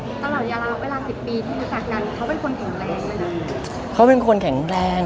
ตลาดอย่าล้าเวลา๑๐ปีที่รู้จักกันเขาเป็นคนแข็งแรงหรือเปล่า